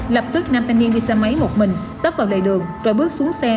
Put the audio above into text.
lập tức nam thanh niên đi xe máy một mình tấp vào lề đường rồi bước xuống xe